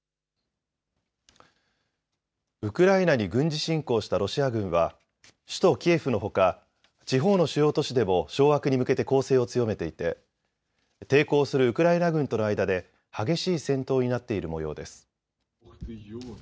ウクライナに軍事侵攻したロシア軍は首都キエフのほか地方の主要都市でも掌握に向けて攻勢を強めていて抵抗するウクライナ軍との間で激しい戦闘になっているもようです。